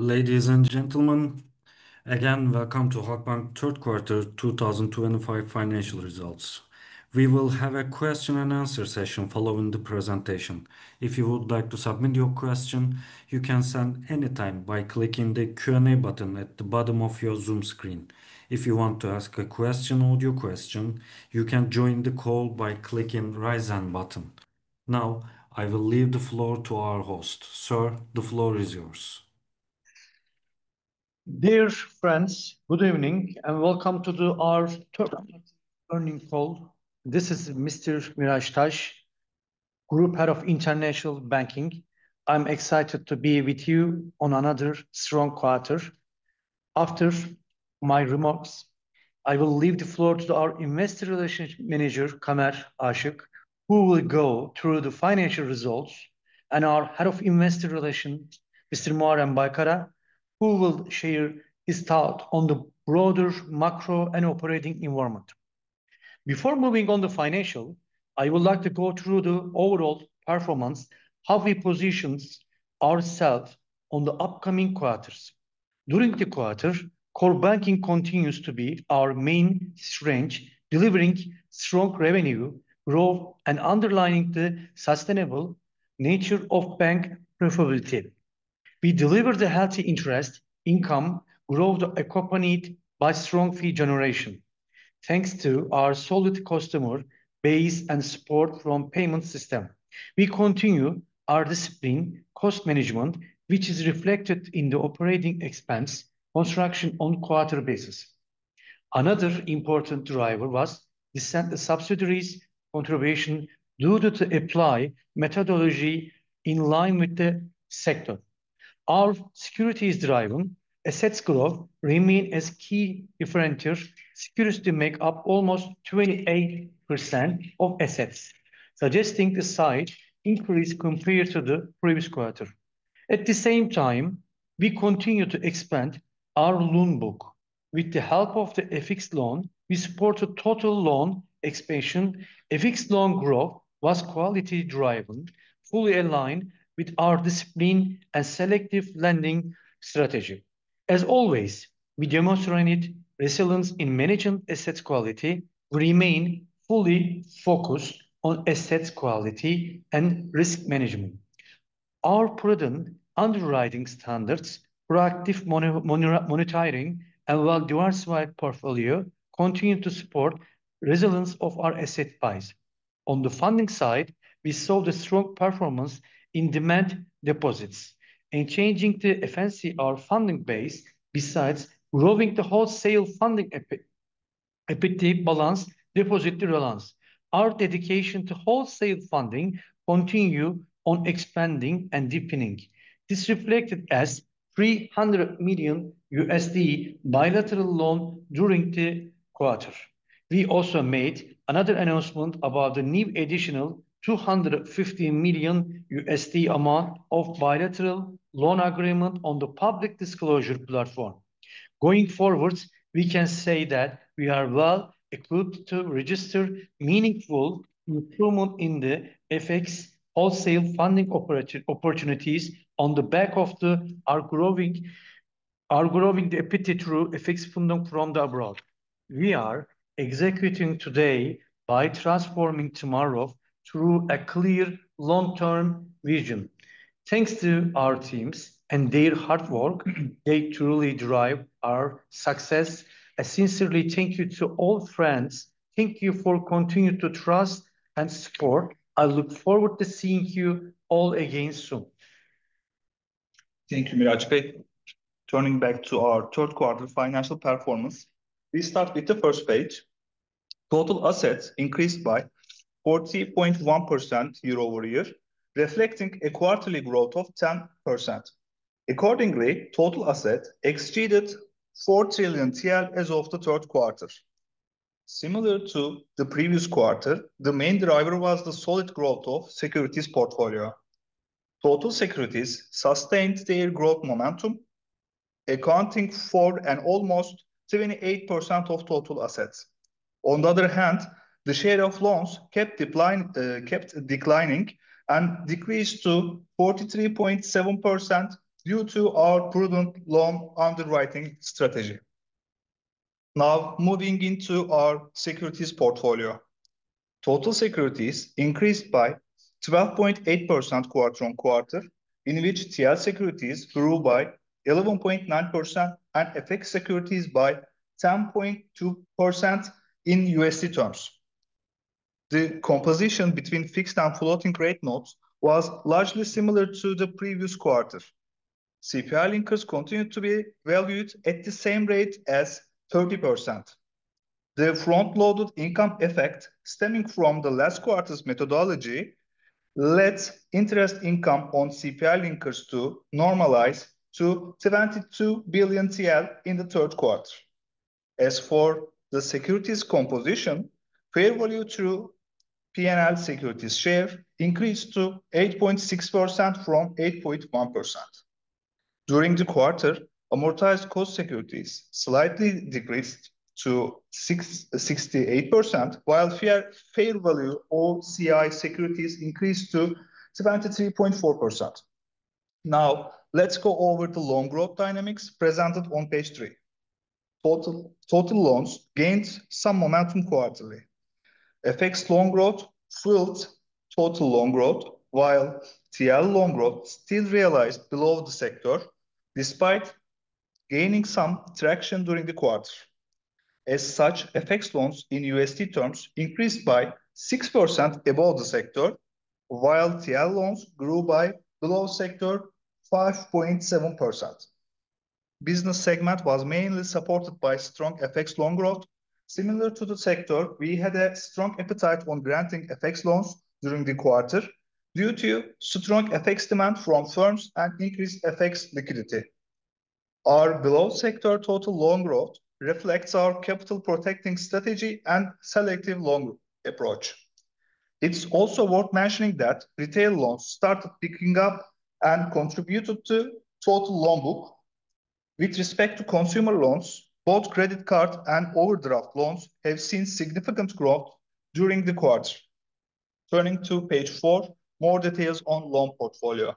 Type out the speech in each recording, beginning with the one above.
Ladies and gentlemen, again welcome to Halkbank Q3 2025 financial results. We will have a Q&A session following the presentation. If you would like to submit your question, you can send anytime by clicking the Q&A button at the bottom of your Zoom screen. If you want to ask a question or your question, you can join the call by clicking the Raise & button. Now, I will leave the floor to our host. Sir, the floor is yours. Dear friends, good evening and welcome to our Q&A call. This is Mr. Mirac Tas, Group Head of International Banking. I'm excited to be with you on another strong quarter. After my remarks, I will leave the floor to our Investor Relations Manager, Kamer Asik, who will go through the financial results, and our Head of Investor Relations, Mr. Muharrem Baykara, who will share his thoughts on the broader macro and operating environment. Before moving on to financials, I would like to go through the overall performance, how we position ourselves on the upcoming quarters. During the quarter, core banking continues to be our main strength, delivering strong revenue growth and underlining the sustainable nature of bank profitability. We deliver the healthy interest income growth accompanied by strong fee generation, thanks to our solid customer base and support from the payment system. We continue our disciplined cost management, which is reflected in the operating expense construction on a quarterly basis. Another important driver was the subsidiaries' contribution due to the applied methodology in line with the sector. Our securities-driven assets growth remains a key differentiator. Securities make up almost 28% of assets, suggesting a slight increase compared to the previous quarter. At the same time, we continue to expand our loan book. With the help of the FX loan, we support a total loan expansion. FX loan growth was quality-driven, fully aligned with our discipline and selective lending strategy. As always, we demonstrate resilience in managing asset quality. We remain fully focused on asset quality and risk management. Our prudent underwriting standards, proactive monitoring, and well-diversified portfolio continue to support the resilience of our asset bias. On the funding side, we saw strong performance in demand deposits, enhancing the efficiency of our funding base besides growing the wholesale funding equity balance deposit reliance. Our dedication to wholesale funding continues on expanding and deepening. This reflected as $300 million bilateral loans during the quarter. We also made another announcement about the new additional $250 million amount of bilateral loan agreement on the public disclosure platform. Going forward, we can say that we are well equipped to register meaningful improvements in the FX wholesale funding opportunities on the back of our growing equity through FX funding from abroad. We are executing today by transforming tomorrow through a clear long-term vision. Thanks to our teams and their hard work, they truly drive our success. I sincerely thank you to all friends. Thank you for continuing to trust and support. I look forward to seeing you all again soon. Thank you, Mirac. Turning back to our Q3 financial performance, we start with the first page. Total assets increased by 40.1% year-over-year, reflecting a quarterly growth of 10%. Accordingly, total assets exceeded TL 4 trillion as of Q3. Similar to the previous quarter, the main driver was the solid growth of securities portfolio. Total securities sustained their growth momentum, accounting for almost 28% of total assets. On the other hand, the share of loans kept declining and decreased to 43.7% due to our prudent loan underwriting strategy. Now, moving into our securities portfolio, total securities increased by 12.8% quarter on quarter, in which TL securities grew by 11.9% and FX securities by 10.2% in USD terms. The composition between fixed and floating rate notes was largely similar to the previous quarter. CPI linkers continued to be valued at the same rate as 30%. The front-loaded income effect stemming from the last quarter's methodology led interest income on CPI linkers to normalize to TL 72 billion in Q3. As for the securities composition, fair value through P&L securities share increased to 8.6% from 8.1%. During the quarter, amortized cost securities slightly decreased to 68%, while fair value over CI securities increased to 73.4%. Now, let's go over the loan growth dynamics presented on page three. Total loans gained some momentum quarterly. FX loan growth filled total loan growth, while TL loan growth still realized below the sector, despite gaining some traction during the quarter. As such, FX loans in USD terms increased by 6% above the sector, while TL loans grew by below sector 5.7%. Business segment was mainly supported by strong FX loan growth. Similar to the sector, we had a strong appetite on granting FX loans during the quarter due to strong FX demand from firms and increased FX liquidity. Our below-sector total loan growth reflects our capital-protecting strategy and selective loan approach. It's also worth mentioning that retail loans started picking up and contributed to total loan book. With respect to consumer loans, both credit card and overdraft loans have seen significant growth during the quarter. Turning to page four, more details on loan portfolio.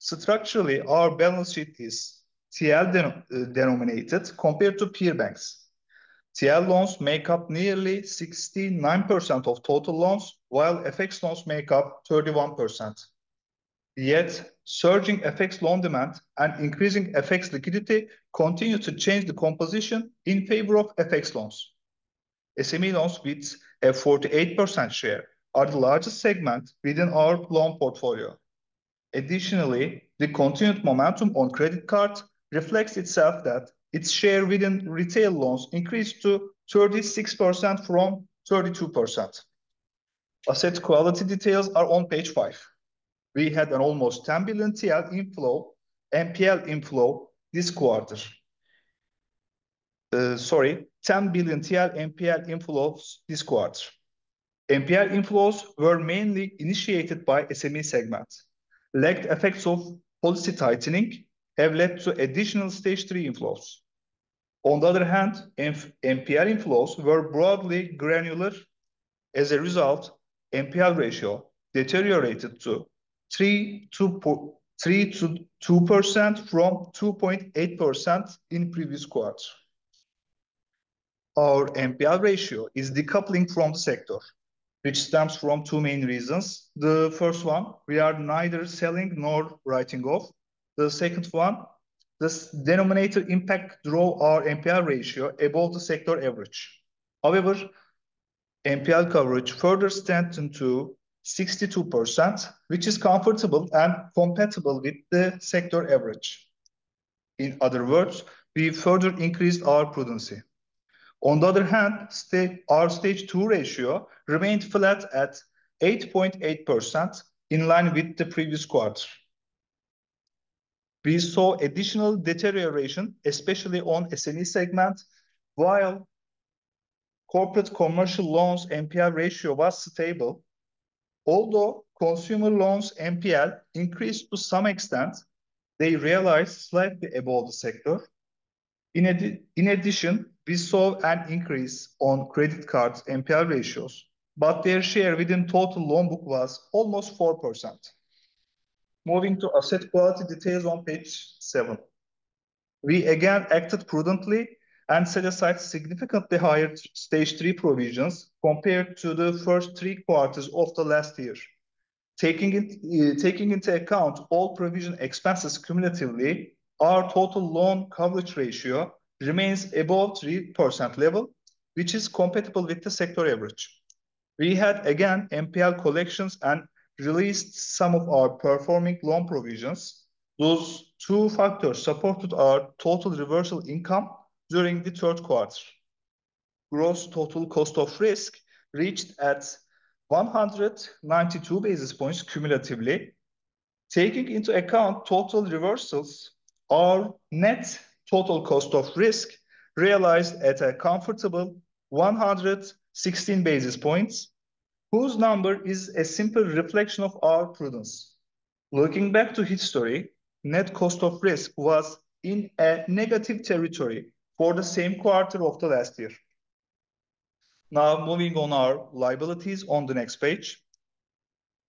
Structurally, our balance sheet is TL-denominated compared to peer banks. TL loans make up nearly 69% of total loans, while FX loans make up 31%. Yet, surging FX loan demand and increasing FX liquidity continue to change the composition in favor of FX loans. SME loans with a 48% share are the largest segment within our loan portfolio. Additionally, the continued momentum on credit card reflects itself that its share within retail loans increased to 36% from 32%. Asset quality details are on page five. We had an almost 10 billion TL NPL inflow this quarter. Sorry, 10 billion TL NPL inflows this quarter. NPL inflows were mainly initiated by SME segment. Late effects of policy tightening have led to additional stage three inflows. On the other hand, NPL inflows were broadly granular. As a result, NPL ratio deteriorated to 3% from 2.8% in previous quarter. Our NPL ratio is decoupling from the sector, which stems from two main reasons. The first one, we are neither selling nor writing off. The second one, the denominator impact drove our NPL ratio above the sector average. However, NPL coverage further stepped into 62%, which is comfortable and compatible with the sector average. In other words, we further increased our prudency. On the other hand, our stage two ratio remained flat at 8.8% in line with the previous quarter. We saw additional deterioration, especially on SME segment, while corporate commercial loans NPL ratio was stable. Although consumer loans NPL increased to some extent, they realized slightly above the sector. In addition, we saw an increase on credit card NPL ratios, but their share within total loan book was almost 4%. Moving to asset quality details on page seven, we again acted prudently and set aside significantly higher stage three provisions compared to the first three quarters of the last year. Taking into account all provision expenses cumulatively, our total loan coverage ratio remains above 3% level, which is compatible with the sector average. We had again NPL collections and released some of our performing loan provisions. Those two factors supported our total reversal income during the third quarter. Gross total cost of risk reached at 192 basis points cumulatively. Taking into account total reversals, our net total cost of risk realized at a comfortable 116 basis points, whose number is a simple reflection of our prudence. Looking back to history, net cost of risk was in a negative territory for the same quarter of the last year. Now, moving on our liabilities on the next page,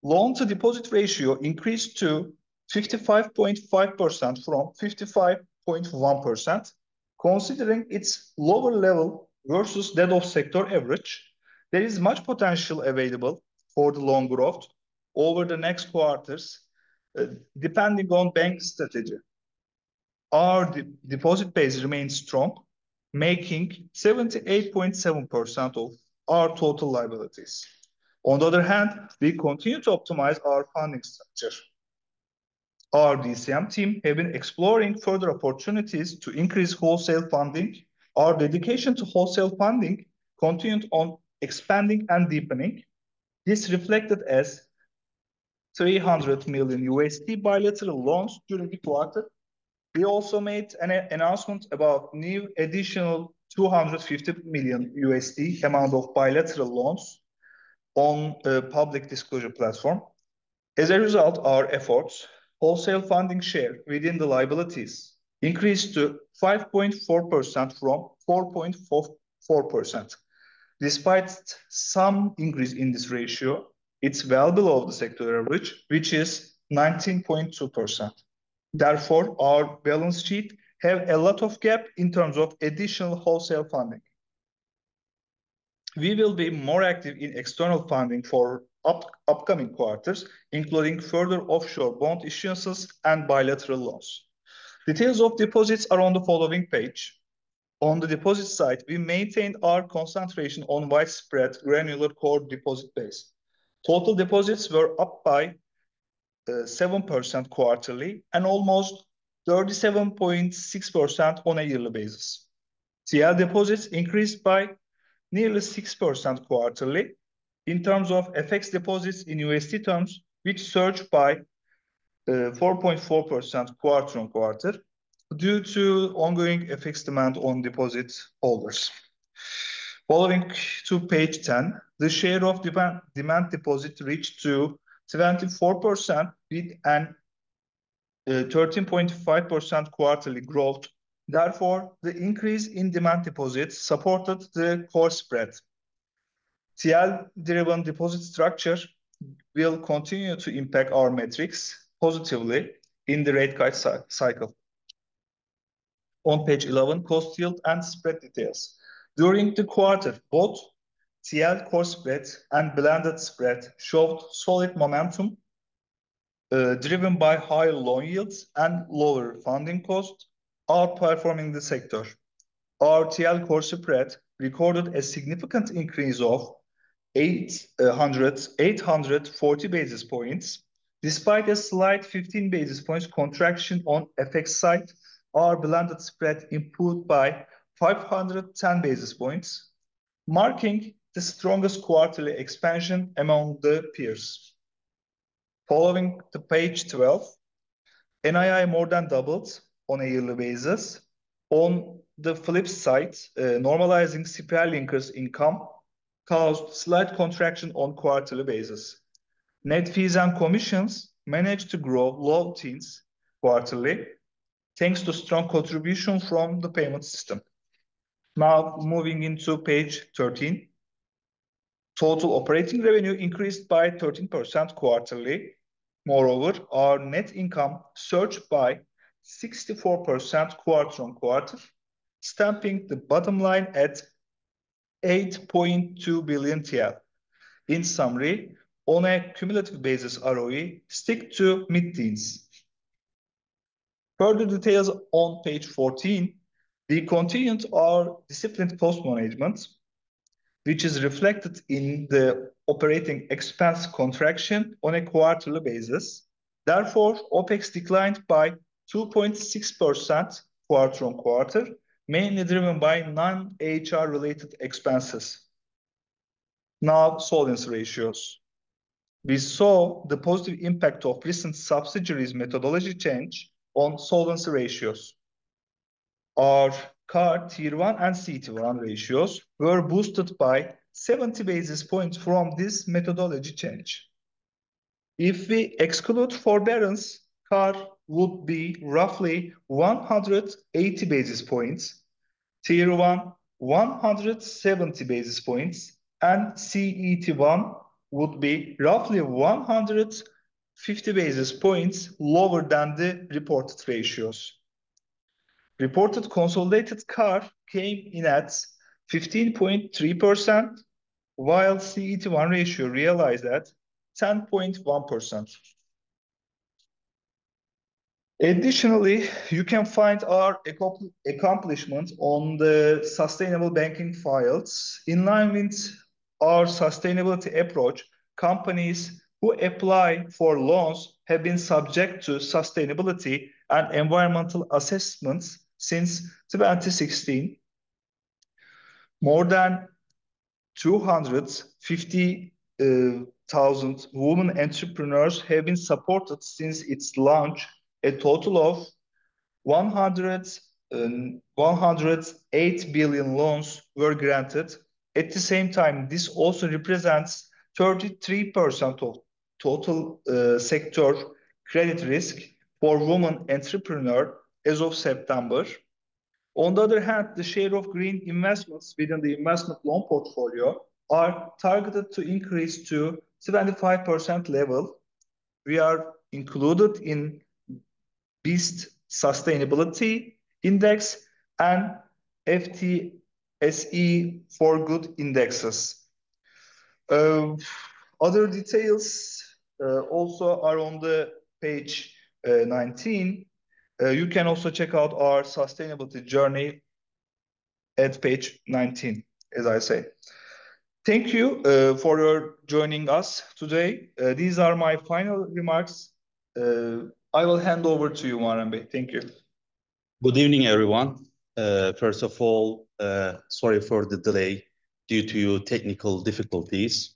loan-to-deposit ratio increased to 55.5% from 55.1%. Considering its lower level versus that of sector average, there is much potential available for the loan growth over the next quarters, depending on bank strategy. Our deposit base remains strong, making 78.7% of our total liabilities. On the other hand, we continue to optimize our funding structure. Our DCM team has been exploring further opportunities to increase wholesale funding. Our dedication to wholesale funding continued on expanding and deepening. This reflected as $300 million bilateral loans during the quarter. We also made an announcement about new additional $250 million amount of bilateral loans on a public disclosure platform. As a result, our efforts, wholesale funding share within the liabilities increased to 5.4% from 4.4%. Despite some increase in this ratio, it's well below the sector average, which is 19.2%. Therefore, our balance sheet has a lot of gap in terms of additional wholesale funding. We will be more active in external funding for upcoming quarters, including further offshore bond issuances and bilateral loans. Details of deposits are on the following page. On the deposit side, we maintained our concentration on widespread granular core deposit base. Total deposits were up by 7% quarterly and almost 37.6% on a yearly basis. TL deposits increased by nearly 6% quarterly. In terms of FX deposits in USD terms, which surged by 4.4% quarter on quarter due to ongoing FX demand on deposit holders. Following to page 10, the share of demand deposit reached to 24% with a 13.5% quarterly growth. Therefore, the increase in demand deposits supported the core spread. TL-driven deposit structure will continue to impact our metrics positively in the rate cut cycle. On page 11, cost yield and spread details. During the quarter, both TL core spread and blended spread showed solid momentum driven by higher loan yields and lower funding cost, outperforming the sector. Our TL core spread recorded a significant increase of 840 basis points. Despite a slight 15 basis points contraction on FX side, our blended spread improved by 510 basis points, marking the strongest quarterly expansion among the peers. Following to page 12, NII more than doubled on a yearly basis. On the flip side, normalizing CPI linkers income caused slight contraction on quarterly basis. Net fees and commissions managed to grow low teens quarterly, thanks to strong contribution from the payment system. Now, moving into page 13, total operating revenue increased by 13% quarterly. Moreover, our net income surged by 64% quarter-on-quarter, stamping the bottom line at TL 8.2 billion. In summary, on a cumulative basis, ROE stick to mid-teens. Further details on page 14. We continued our disciplined cost management, which is reflected in the operating expense contraction on a quarterly basis. Therefore, OpEX declined by 2.6% quarter on quarter, mainly driven by non-HR related expenses. Now, solvency ratios. We saw the positive impact of recent subsidiaries methodology change on solvency ratios. Our CAR, Tier one, and CET1 ratios were boosted by 70 basis points from this methodology change. If we exclude forbearance, CAR would be roughly 180 basis points, Tier one, 170 basis points, and CET1 would be roughly 150 basis points lower than the reported ratios. Reported consolidated CAR came in at 15.3%, while CET1 ratio realized at 10.1%. Additionally, you can find our accomplishment on the sustainable banking files. In line with our sustainability approach, companies who apply for loans have been subject to sustainability and environmental assessments since 2016. More than 250,000 women entrepreneurs have been supported since its launch. A total of TL 108 billion loans were granted. At the same time, this also represents 33% of total sector credit risk for women entrepreneurs as of September. On the other hand, the share of green investments within the investment loan portfolio are targeted to increase to 75% level. We are included in BIST sustainability index and FTSE for good indexes. Other details also are on the page 19. You can also check out our sustainability journey at page 19, as I say. Thank you for joining us today. These are my final remarks. I will hand over to you, Muharrem Baykara. Thank you. Good evening, everyone. First of all, sorry for the delay due to technical difficulties.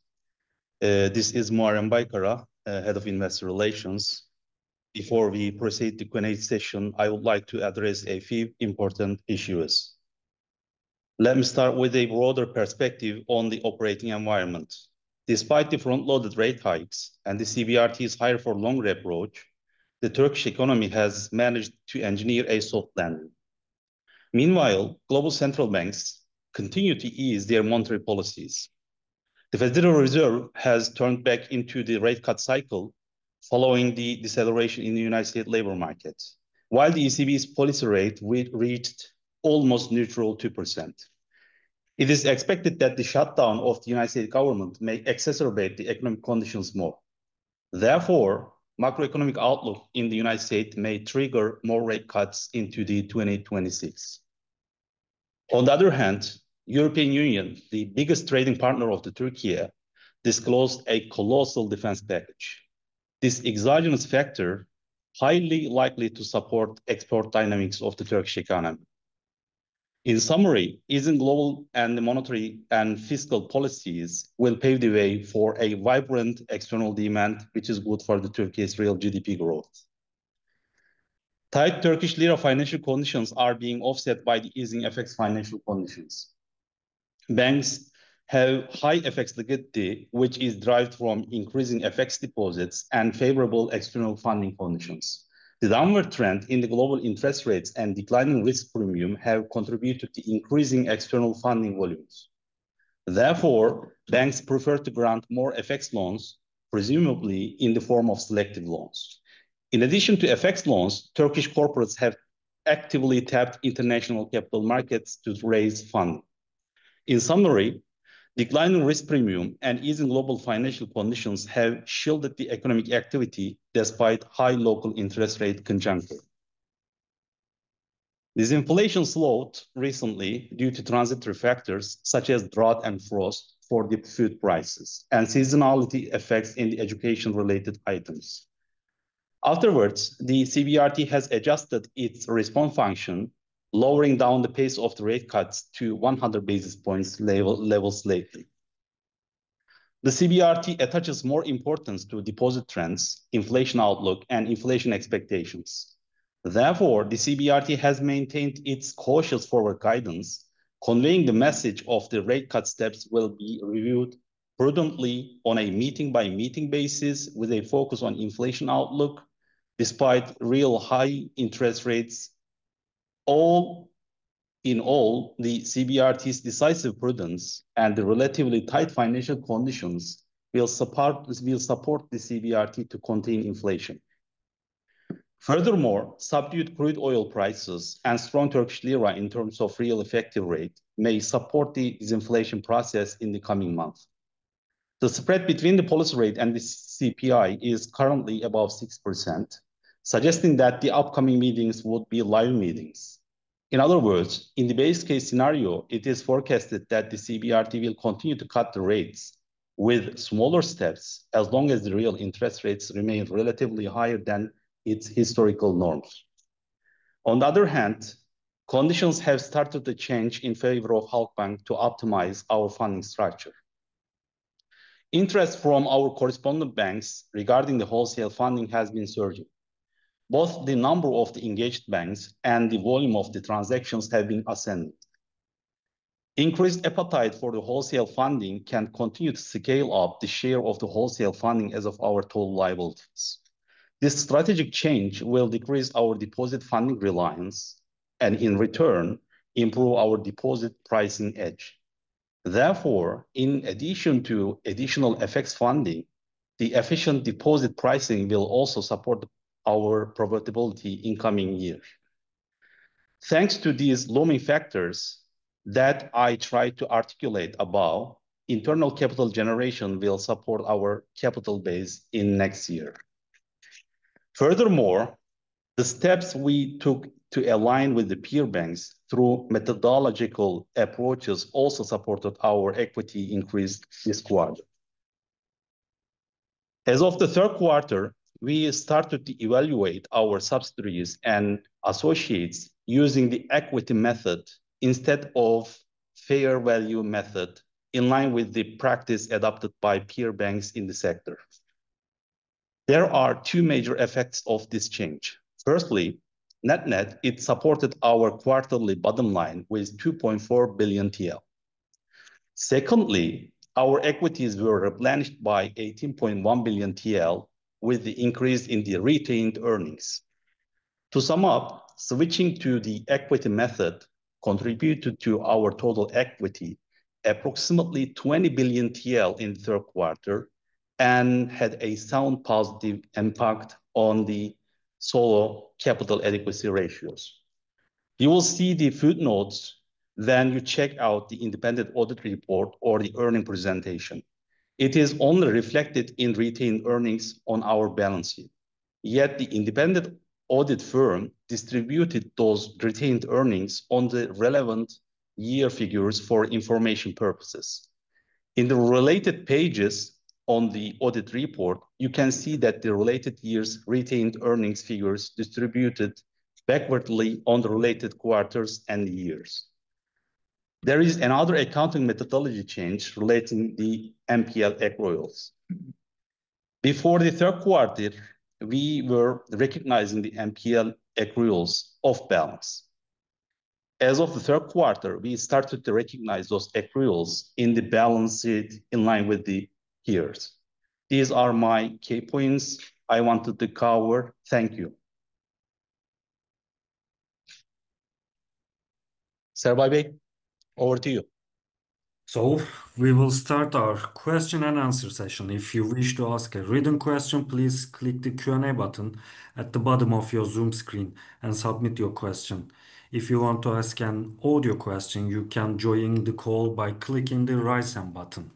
This is Muharrem Baykara, Head of Investor Relations. Before we proceed to Q&A session, I would like to address a few important issues. Let me start with a broader perspective on the operating environment. Despite the front-loaded rate hikes and the CBRT's hire-for-longer approach, the Turkish economy has managed to engineer a soft landing. Meanwhile, global central banks continue to ease their monetary policies. The Federal Reserve has turned back into the rate cut cycle following the deceleration in the U.S. labor market, while the ECB's policy rate reached almost neutral 2%. It is expected that the shutdown of the U.S. government may exacerbate the economic conditions more. Therefore, macroeconomic outlook in the U.S. may trigger more rate cuts into 2026. On the other hand, the European Union, the biggest trading partner of Turkey, disclosed a colossal defense package. This exogenous factor is highly likely to support export dynamics of the Turkish economy. In summary, easing global and monetary and fiscal policies will pave the way for a vibrant external demand, which is good for Turkey's real GDP growth. Tight Turkish lira financial conditions are being offset by the easing FX financial conditions. Banks have high FX liquidity, which is derived from increasing FX deposits and favorable external funding conditions. The downward trend in the global interest rates and declining risk premium have contributed to increasing external funding volumes. Therefore, banks prefer to grant more FX loans, presumably in the form of selective loans. In addition to FX loans, Turkish corporates have actively tapped international capital markets to raise funding. In summary, declining risk premium and easing global financial conditions have shielded the economic activity despite high local interest rate conjuncture. This inflation slowed recently due to transitory factors such as drought and frost for the food prices and seasonality effects in the education-related items. Afterwards, the CBRT has adjusted its response function, lowering down the pace of the rate cuts to 100 basis points levels lately. The CBRT attaches more importance to deposit trends, inflation outlook, and inflation expectations. Therefore, the CBRT has maintained its cautious forward guidance, conveying the message that the rate cut steps will be reviewed prudently on a meeting-by-meeting basis with a focus on inflation outlook despite real high interest rates. All in all, the CBRT's decisive prudence and the relatively tight financial conditions will support the CBRT to contain inflation. Furthermore, subdued crude oil prices and strong Turkish lira in terms of real effective rate may support the disinflation process in the coming months. The spread between the policy rate and the CPI is currently above 6%, suggesting that the upcoming meetings would be live meetings. In other words, in the base case scenario, it is forecasted that the CBRT will continue to cut the rates with smaller steps as long as the real interest rates remain relatively higher than its historical norms. On the other hand, conditions have started to change in favor of Halkbank to optimize our funding structure. Interest from our correspondent banks regarding the wholesale funding has been surging. Both the number of the engaged banks and the volume of the transactions have been ascending. Increased appetite for the wholesale funding can continue to scale up the share of the wholesale funding as of our total liabilities. This strategic change will decrease our deposit funding reliance and, in return, improve our deposit pricing edge. Therefore, in addition to additional FX funding, the efficient deposit pricing will also support our profitability in coming years. Thanks to these looming factors that I tried to articulate above, internal capital generation will support our capital base in next year. Furthermore, the steps we took to align with the peer banks through methodological approaches also supported our equity increase this quarter. As of the third quarter, we started to evaluate our subsidiaries and associates using the equity method instead of fair value method in line with the practice adopted by peer banks in the sector. There are two major effects of this change. Firstly, net net, it supported our quarterly bottom line with TL 2.4 billion. Secondly, our equities were replenished by TL 18.1 billion with the increase in the retained earnings. To sum up, switching to the equity method contributed to our total equity approximately TL 20 billion in the third quarter and had a sound positive impact on the solo capital adequacy ratios. You will see the footnotes when you check out the independent audit report or the earning presentation. It is only reflected in retained earnings on our balance sheet. Yet the independent audit firm distributed those retained earnings on the relevant year figures for information purposes. In the related pages on the audit report, you can see that the related year's retained earnings figures distributed backwardly on the related quarters and years. There is another accounting methodology change relating the NPL accruals. Before the third quarter, we were recognizing the NPL accruals off balance. As of the third quarter, we started to recognize those accruals in the balance sheet in line with the years. These are my key points I wanted to cover. Thank you. Sir Baykara, over to you. We will start our question and answer session. If you wish to ask a written question, please click the Q&A button at the bottom of your Zoom screen and submit your question. If you want to ask an audio question, you can join the call by clicking the Raise & button.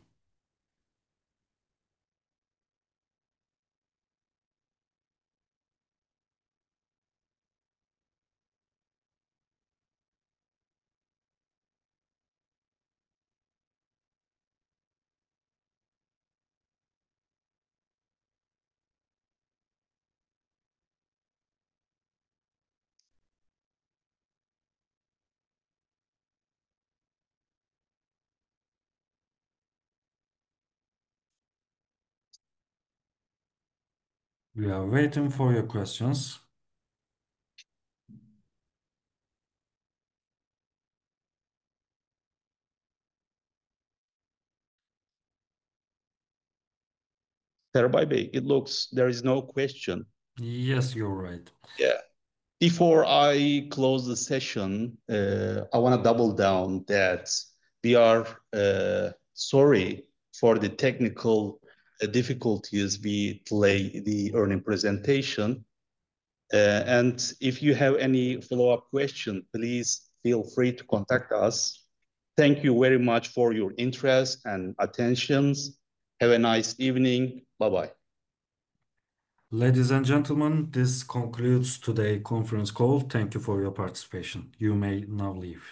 We are waiting for your questions. Sir Baykara, it looks there is no question. Yes, you're right. Yeah. Before I close the session, I want to double down that we are sorry for the technical difficulties we play in the earning presentation. If you have any follow-up questions, please feel free to contact us. Thank you very much for your interest and attention. Have a nice evening. Bye-bye. Ladies and gentlemen, this concludes today's conference call. Thank you for your participation. You may now leave.